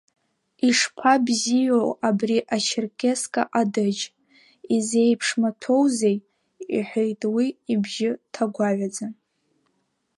Ишԥабзиоу абри ачеркеска ҟадыџь, изеиԥш маҭәоузеи, — иҳәеит уи ибжьы ҭагәаҩаӡа.